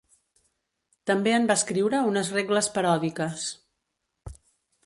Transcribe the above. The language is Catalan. També en va escriure unes regles paròdiques.